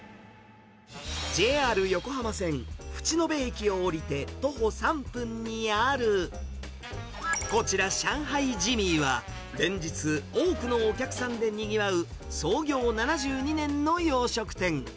ＪＲ横浜線淵野辺駅を降りて徒歩３分にある、こちら、上海ジミーは、連日、多くのお客さんでにぎわう、創業７２年の洋食店。